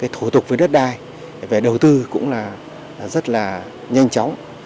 thủ tục với đất đai về đầu tư cũng rất là nhanh chóng